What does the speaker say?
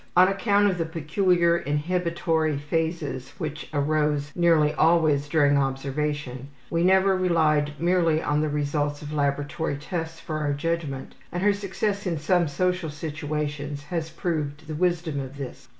On account of the peculiar inhibitory phases which arose nearly always during observation, we never relied merely on the results of laboratory tests for our judgment, and her success in some social situations has proved the wisdom of this.